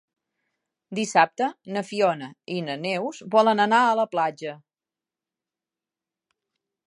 Dissabte na Fiona i na Neus volen anar a la platja.